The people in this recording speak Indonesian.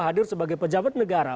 hadir sebagai pejabat negara